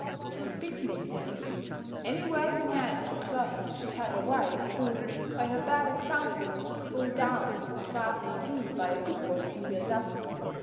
'Tis pity, methinks, any worthy man of the cloth should have a wife, who, by her bad example, should pull down, as fast as he, by a good one, can build up.